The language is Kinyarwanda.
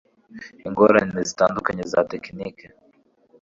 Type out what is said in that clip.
Ingorane zitandukanye za tekiniki